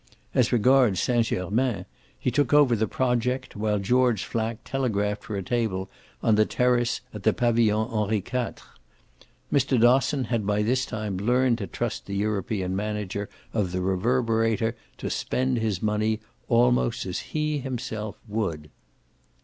As regards Saint Germain he took over the project while George Flack telegraphed for a table on the terrace at the Pavilion Henri Quatre. Mr. Dosson had by this time learned to trust the European manager of the Reverberator to spend his money almost as he himself would.